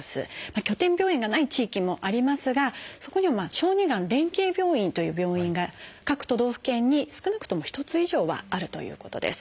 拠点病院がない地域もありますがそこには「小児がん連携病院」という病院が各都道府県に少なくとも１つ以上はあるということです。